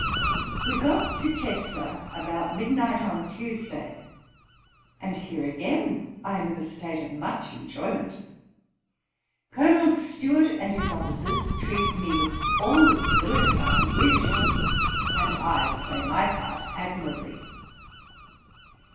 'We got to Chester about midnight on Tuesday; and here again I am in a state of much enjoyment. Colonel Stuart and his officers treat me with all the civility I could wish; and I play my part admirably.